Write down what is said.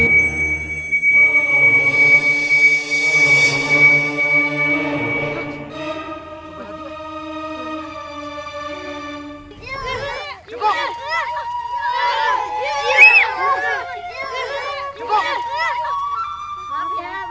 kita pulang aja yuk